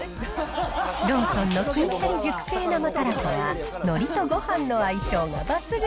ローソンの金しゃり熟成生たらこは、のりとごはんの相性が抜群。